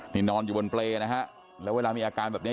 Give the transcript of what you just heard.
นี่นอนอยู่บนเปรย์นะฮะแล้วเวลามีอาการแบบนี้